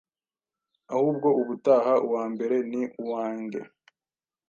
Ahubwo ubutaha uwa mbere ni uwange.